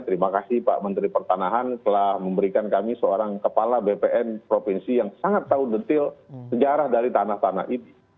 terima kasih pak menteri pertanahan telah memberikan kami seorang kepala bpn provinsi yang sangat tahu detail sejarah dari tanah tanah ini